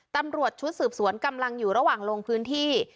ตำรวจชุดสืบสวนกำลังอยู่ระหว่างลงพื้นที่